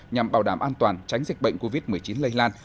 nhằm bảo đảm an toàn tránh dịch bệnh covid một mươi chín lây lan